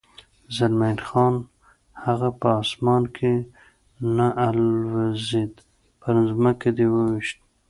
زلمی خان: هغه په اسمان کې نه الوزېد، پر ځمکه دې و وېشت.